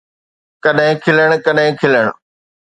ڪڏھن کلڻ، ڪڏھن کلڻ